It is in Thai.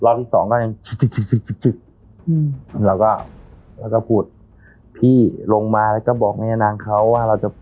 ที่สองก็ยังชิดอืมแล้วก็แล้วก็พูดพี่ลงมาแล้วก็บอกแม่นางเขาว่าเราจะ